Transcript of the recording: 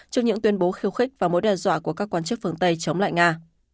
trước những tuyên bố khiêu khích và mối đe dọa của các quan chức phương tây chống lại nga